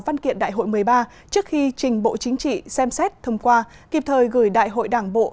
văn kiện đại hội một mươi ba trước khi trình bộ chính trị xem xét thông qua kịp thời gửi đại hội đảng bộ